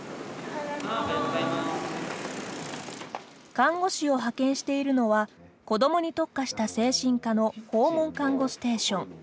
看護師を派遣しているのは子どもに特化した精神科の訪問看護ステーション。